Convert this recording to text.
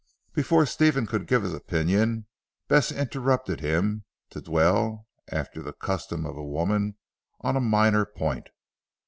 Before Stephen could give his opinion, Bess interrupted him, to dwell, after the custom of a woman, on a minor point.